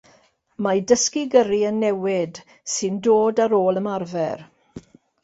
Mae dysgu gyrru yn newid, sy'n dod ar ôl ymarfer.